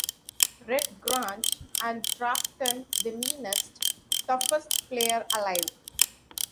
Red Grange called Trafton the meanest, toughest player alive.